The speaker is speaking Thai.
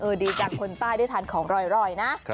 ดีจังคนใต้ได้ทานของอร่อยนะ